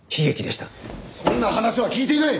そんな話は聞いていない！